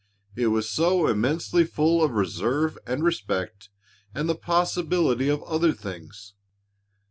It was so immensely full of reserve and respect and the possibility of other things.